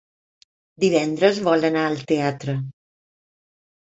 Divendres vol anar al teatre.